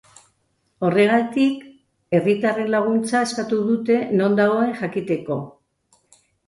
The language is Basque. Horregatik, herritarren laguntza eskatu dute non dagoen jakiteko.